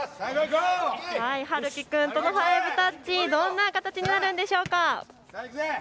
遥希君との５タッチ、どんな感じになるんでしょうか。